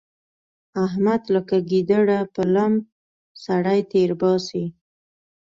احمد لکه ګيدړه په لم سړی تېرباسي.